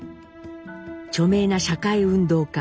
著名な社会運動家